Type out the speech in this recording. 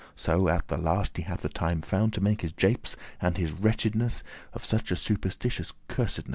So at the last he hath a time found To make his japes* and his wretchedness *tricks Of such a *superstitious cursedness.